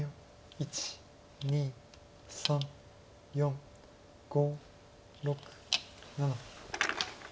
１２３４５６７。